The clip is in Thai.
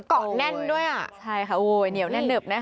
ก่อนแน่นด้วยก็ไม่ดึงมีออกได้นะ